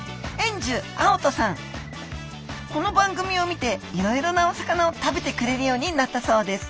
この番組を見ていろいろなお魚を食べてくれるようになったそうです。